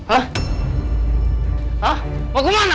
hah mau ke mana